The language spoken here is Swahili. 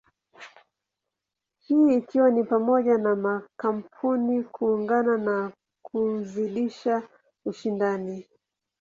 Hii ikiwa ni pamoja na makampuni kuungana na kuzidisha ushindani.